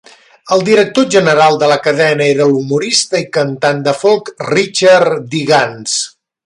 El director general de la cadena era l'humorista i cantant de folk Richard Digance.